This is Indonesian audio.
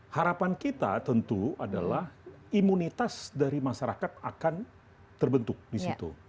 harapan kita tentu adalah imunitas dari masyarakat akan terbentuk di situ